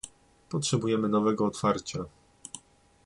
Potrzebujemy nowego otwarcia